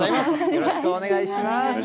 よろしくお願いします。